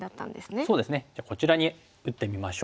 じゃあこちらに打ってみましょう。